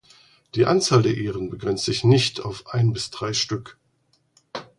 Die Anzahl der Ähren begrenzt sich nicht auf ein bis drei Stück.